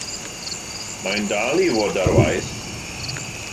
Mae'n dal i fod ar waith.